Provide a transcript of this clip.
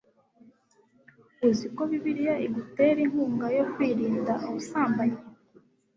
uzi ko bibiliya igutera inkunga yo kwirinda ubusambanyi